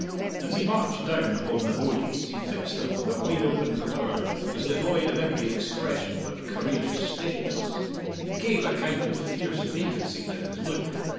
As he marched down upon the bodies he fixed them with a wide open glower that was devoid of every expression but courageous steadiness. It gave a kind of fierce vacancy to his look.